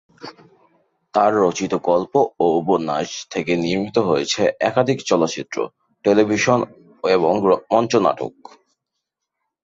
তার রচিত গল্প ও উপন্যাস থেকে নির্মিত হয়েছে একাধিক চলচ্চিত্র, টেলিভিশন এবং মঞ্চনাটক।